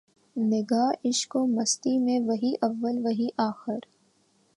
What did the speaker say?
نگاہ عشق و مستی میں وہی اول وہی آخر